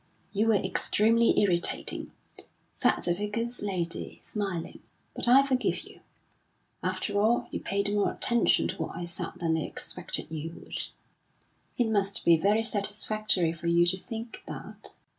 "You were extremely irritating," said the Vicar's lady, smiling, "but I forgive you. After all, you paid more attention to what I said than I expected you would." "It must be very satisfactory for you to think that."